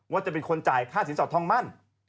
ว่าจะเป็นคนจ่ายค่าสินสอดทองมั่น